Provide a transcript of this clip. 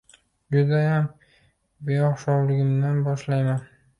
Judayam beo`xshovligimdan boshlayman